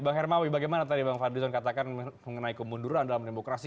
bang hermawi bagaimana tadi bang fadlizon katakan mengenai kemunduran dalam demokrasi